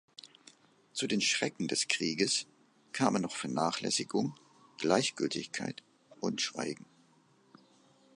Zu den Schrecken des Krieges kamen noch Vernachlässigung, Gleichgültigkeit und Schweigen.